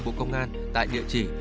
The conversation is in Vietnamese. bộ công an tại địa chỉ